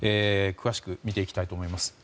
詳しく見ていきたいと思います。